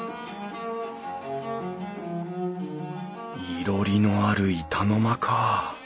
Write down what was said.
いろりのある板の間か。